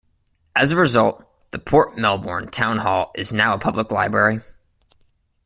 As a result, the Port Melbourne Town Hall is now a public library.